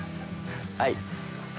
はい。